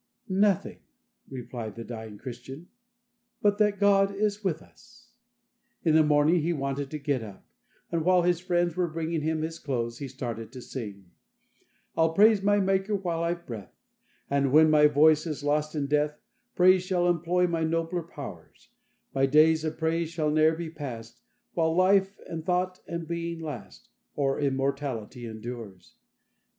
"Nothing," replied the dying Christian, "but that God is with us." In the morning he wanted to get up, and while his friends were bringing him his clothes, he started to sing: "I'll praise my Maker while I've breath, And, when my voice is lost in death, Praise shall employ my nobler powers; My days of praise shall ne'er be past, While life, and thought, and being last, Or immortality endures.